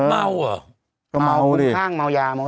เดี๋ยวเมื่อกลัวเดียวเม้าคืนข้างเมายาหมด